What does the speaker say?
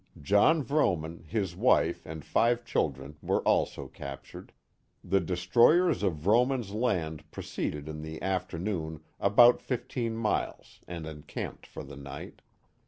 John Vrooman, his wife, and fivt: children were also captured. The destroyers of Vrooman 's land proceeded in the after noon about fifteen miles and encamped for the night.